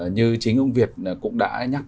như chính ông việt cũng đã nhắc